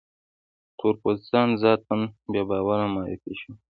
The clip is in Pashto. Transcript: تور پوستان ذاتاً بې باوره معرفي شول.